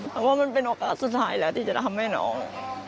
เพราะว่ามันเป็นโอกาสสุดท้ายแล้วที่จะทำให้น้อง